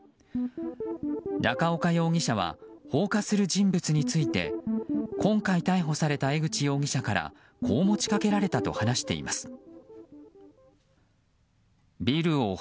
中岡容疑者は放火する人物について今回逮捕された江口容疑者からこう持ちかけられたと話しています。